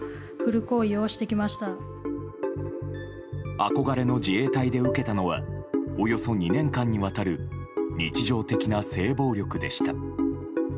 憧れの自衛隊で受けたのはおよそ２年間にわたる日常的な性暴力でした。